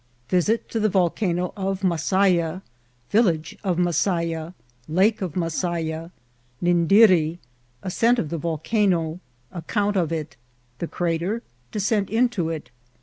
Visit to the Volcano of Masaya. — Village of Masaya. — Lake of Masaya. — Nindi it— Ascent of the Volcano.— Account of it.— The Crater.— Descent into it.